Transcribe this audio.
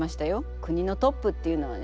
国のトップっていうのはね